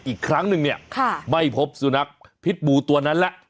อีกครั้งหนึ่งเนี่ยไม่พบสุนัขพิษบูตัวนั้นแหละ